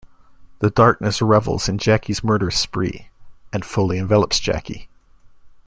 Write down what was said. The Darkness revels in Jackie's murderous spree, and fully envelops Jackie.